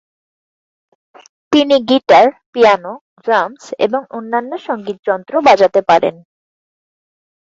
তিনি guitar, piano, drums এবং অন্যান্য সংগীত যন্ত্র বাজাতে পারেন।